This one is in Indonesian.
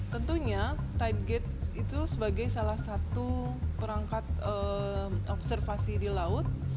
tentunya tide gate itu sebagai salah satu perangkat observasi di laut